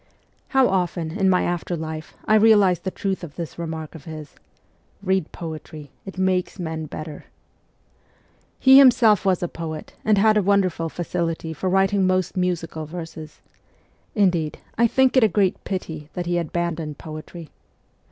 How often, in my after life, I realized the truth of this remark of his ! Bead poetry : it makes men better ! THE CORPS OF PAGES 111 He himself was a poet, and had a wonderful facility for writing most musical verses ; indeed, I think it a great pity that he abandoned poetry.